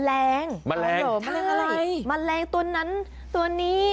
แมลงแมลงเหรอแมลงอะไรแมลงตัวนั้นตัวนี้